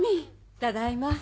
ただいま。